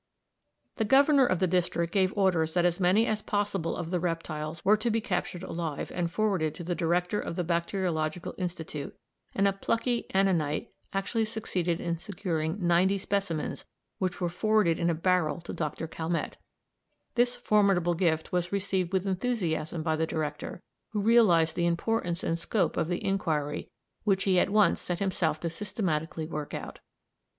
The governor of the district gave orders that as many as possible of the reptiles were to be captured alive and forwarded to the Director of the Bacteriological Institute, and a plucky Annanite actually succeeded in securing ninety specimens, which were forwarded in a barrel to Dr. Calmette. This formidable gift was received with enthusiasm by the director, who realised the importance and scope of the inquiry, which he at once set himself to systematically work out.